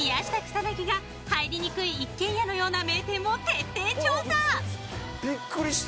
草薙が入りにくい一軒家のような名店を徹底調査。